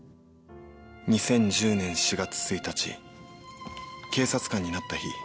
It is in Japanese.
２０１０年４月１日警察官になった日。